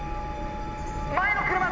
前の車！